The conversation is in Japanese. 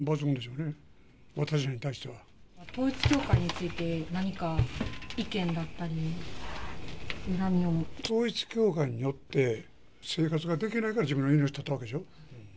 真面目ですよね、私らに対し統一教会について、何か意見だったり、統一教会によって、生活ができないから、自分の命を絶ったわけでしょ？